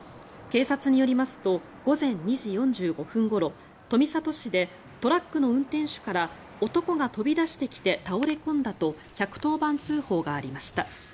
警察によりますと午前２時４５分ごろ富里市でトラックの運転手から男が飛び出してきて倒れ込んだと１１０番通報がありました。